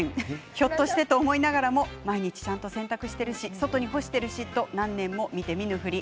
ひょっとしたら思いながらも毎日ちゃんと洗濯しているし外に干しているしと何年も見て見ぬふり。